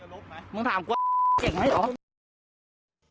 นะน้องก็จะมาเข้าห้องน้ำที่ปั๊มค่ะแล้วก็ถูกถูกถูกชัดชวนในเชิงกิจกรรมทางเพศเนี่ย